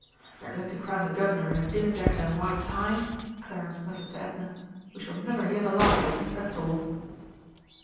"If they're going to crown the Guv'nor in a dinner jacket and white tie," Clarence muttered to Edna, "we shall never hear the last of it, that's all!"